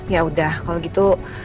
yaudah kalau gitu